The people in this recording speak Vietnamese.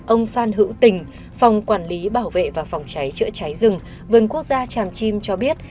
ông phan hữu tình phòng quản lý bảo vệ và phòng cháy chữa cháy rừng vườn quốc gia tràm chim cho biết